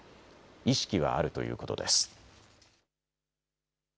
意識はあるということです。